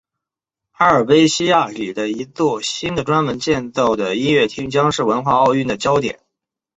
阿尔卑西亚里的一座新的专门建造的音乐厅将是文化奥运的焦点。